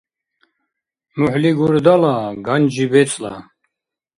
МухӀли — гурдала, ганжи — бецӀла.